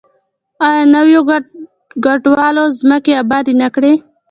آیا نویو کډوالو ځمکې ابادې نه کړې؟